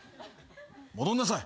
戻んなさい。